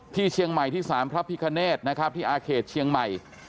ที่เชียงใหม่ที่สารพระพิคเนธนะครับที่อาเขตเชียงใหม่